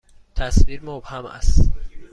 تصویر مبهم است.